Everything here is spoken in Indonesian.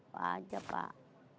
pak aja pak